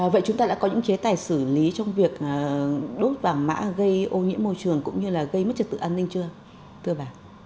vậy chúng ta đã có những chế tài xử lý trong việc đốt vàng mã gây ô nhiễm môi trường cũng như là gây mất trật tự an ninh chưa cơ bản